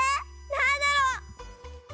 なんだろう？